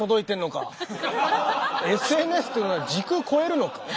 ＳＮＳっていうのは時空超えるのか？